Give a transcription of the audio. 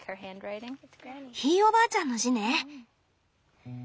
ひいおばあちゃんの字ね。